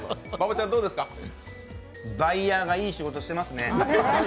バイヤーがいい仕事してますね。